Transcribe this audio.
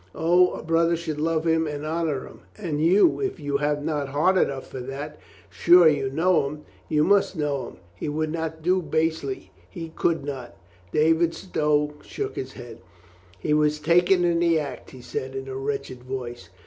O, a brother should love him and honor him. And you, if you have not heart enough for that, sure you know him. You must know him. He would not do basely. He could not." David Stow shook his head. "He was taken in the act," he said in a wretched voice.